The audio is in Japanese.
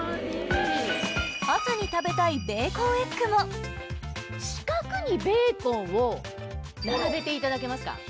朝に食べたいベーコンエッグも四角にベーコンを並べていただけますか？